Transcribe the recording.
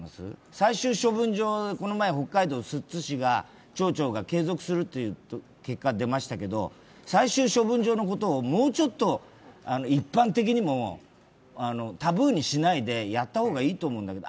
最終処分場、この前、北海道寿都市が町長継続すると言いましたけど最終処分場のことを、もうちょっと一般的にもタブーにしないでやった方がいいと思うんだけど。